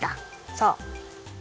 そう。